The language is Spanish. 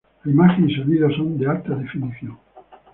La imagen y sonido son de alta definición.